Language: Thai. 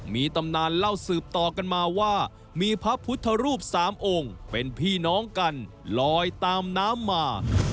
มีตำนานเล่าสืบต่อกันมาว่ามีพระพุทธรูปสามองค์เป็นพี่น้องกันลอยตามน้ำมา